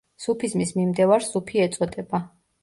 სუფიზმის მიმდევარს სუფი ეწოდება.